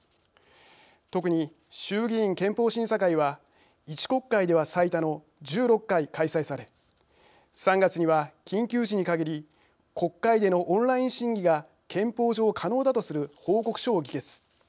特に、衆議院憲法審査会は１国会では最多の１６回開催され３月には緊急時にかぎり国会でのオンライン審議が憲法上可能だとする報告書を議決。